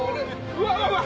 うわうわ！